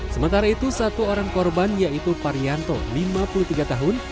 sementara itu satu orang korban yaitu parianto lima puluh tiga tahun